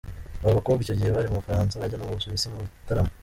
Aba bakobwa icyo gihe bari mu Bufaransa bajya no mu Busuwisi mu bitaramo.